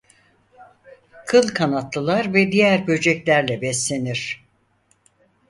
Kın kanatlılar ve diğer böceklerle beslenir.